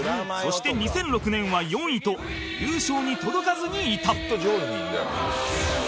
そして２００６年は４位と優勝に届かずにいた